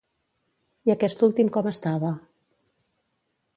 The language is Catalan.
I aquest últim com estava?